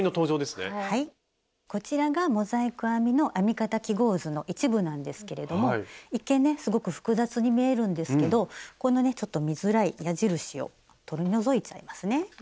こちらがモザイク編みの編み方記号図の一部なんですけれども一見ねすごく複雑に見えるんですけどこのねちょっと見づらい矢印を取り除いちゃいますね。